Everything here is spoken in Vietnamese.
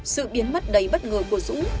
sự biến mất đầy bất ngờ của dũng